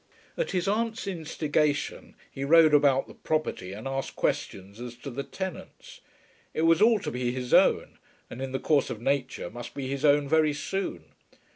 At his aunt's instigation he rode about the property and asked questions as to the tenants. It was all to be his own, and in the course of nature must be his own very soon.